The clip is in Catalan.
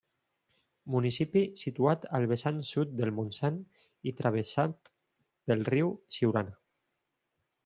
Municipi situat al vessant sud del Montsant i travessat pel riu Siurana.